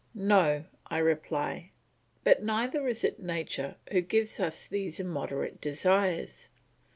No, I reply, but neither is it nature who gives us these immoderate desires.